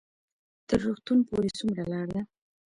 تر روغتون پورې څومره لار ده؟